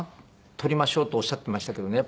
取りましょうとおっしゃっていましたけどね。